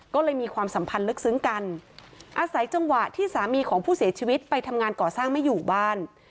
ก็เลยมีความสัมพันธ์ลึกซึ้งกันอาศัยจังหวะที่สามีของผู้เสียชีวิตไปทำงานก่อสร้างไม่อยู่บ้าน